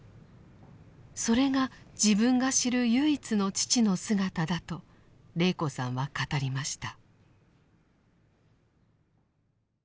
それが自分が知る唯一の父の姿だと禮子さんは語りました。